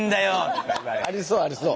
ありそうありそう。